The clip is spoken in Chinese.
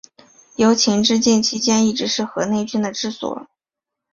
由秦至晋期间一直是河内郡的治所。